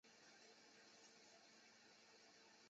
属于第四收费区。